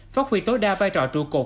phát huy tối đa vai trò trụ cột